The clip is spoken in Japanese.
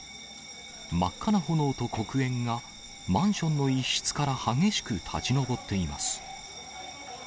真っ赤な炎と黒煙が、マンションの一室から激しく立ち上っています。